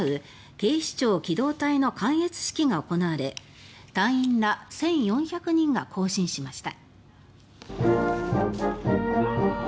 警視庁機動隊の観閲式が行われ隊員ら１４００人が行進しました。